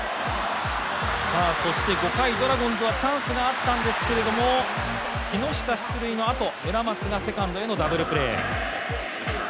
そして５回、ドラゴンズはチャンスはあったんですけれども木下出塁のあと、村松がセカンドへのダブルプレー。